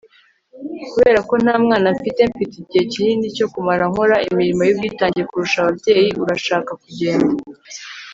kubera ko nta mwana mfite, mfite igihe kinini cyo kumara nkora imirimo y'ubwitange kurusha ababyeyi. urashaka kugenda